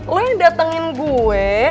lo yang datengin gue